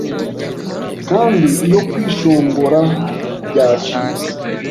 Kandi iyo kwishongora byacitse